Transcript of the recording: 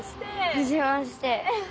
はじめまして！